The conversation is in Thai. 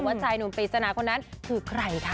ชายหนุ่มปริศนาคนนั้นคือใครค่ะ